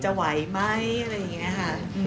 ไหวไหมอะไรอย่างนี้ค่ะ